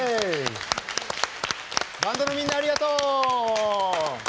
バンドのみんなありがとう！